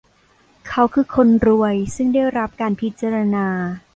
เขาคือคนรวยซึ่งได้รับการพิจารณา